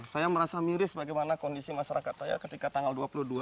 saya merasa miris bagaimana kondisi masyarakat saya ketika tanggal dua puluh dua